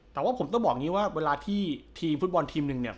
แต่ว่าผมต้องบอกอย่างนี้ว่าเวลาที่ทีมฟุตบอลทีมหนึ่งเนี่ย